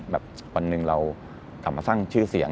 แบบวันหนึ่งเรากลับมาสร้างชื่อเสียง